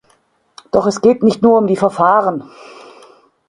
Doch es geht nicht nur um die Verfahren.